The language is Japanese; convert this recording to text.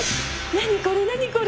何これ何これ？